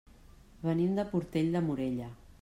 Venim de Portell de Morella.